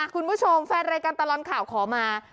คุณผู้ชมแฟนรายการตลอดข่าวขอมา